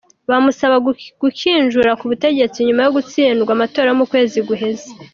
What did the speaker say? Bamusaba gukinjura ku butegetsi nyuma yo gutsindwa amatora yo mu kwezi guheze.